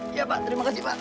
iya pak terima kasih pak